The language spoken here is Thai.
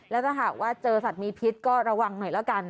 แล้วถ้าหากว่าเจอสัตว์มีพิษก็ระวังหน่อยแล้วกัน